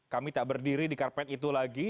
kami tak berdiri di karpet itu lagi